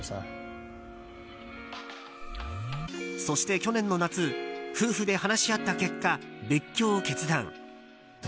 そして去年の夏、夫婦で話し合った結果、別居を決断。